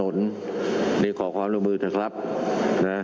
ซึ่งด้วยก่อความร่วมมือทุกคน